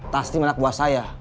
taslim anak buah saya